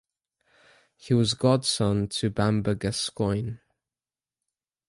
He was godson to Bamber Gascoyne.